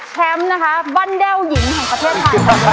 แชมป์นะคะบ้านแด้วยิ้มของประเทศพรรภาพ